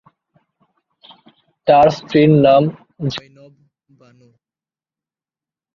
তার স্ত্রীর নাম জয়নব বানু।